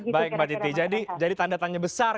baik mbak titi jadi tanda tanya besar